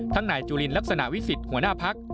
ทั้งนายจุลินรักษณวิสิตหัวหน้าพัก